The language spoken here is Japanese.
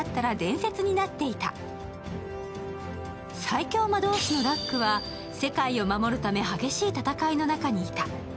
最強魔導士のラックは、世界を守るため激しい戦いの中にいた。